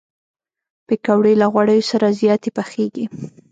پکورې له غوړیو سره زیاتې پخېږي